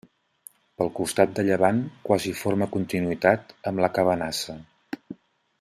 Pel costat de llevant quasi forma continuïtat amb la Cabanassa.